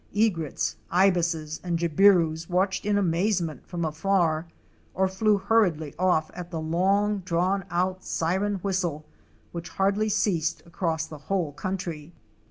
Egrets, Ibises and Jabirus watched in amazement from afar, or flew hurriedly off at the long drawn out siren whistle, which hardly ceased across the whole country.